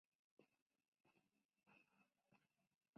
Cuando Betsy conoció a los X-Men se sintió identificada con el grupo.